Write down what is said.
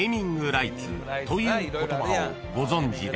［という言葉をご存じですか？］